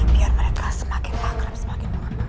biar mereka semakin panggilan semakin mengenal